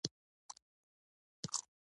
تر څلور زره کلونو زیات تاریخ لري.